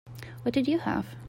What did you have?